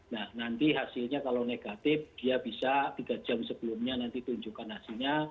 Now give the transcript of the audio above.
nah nanti hasilnya kalau negatif dia bisa tiga jam sebelumnya nanti tunjukkan hasilnya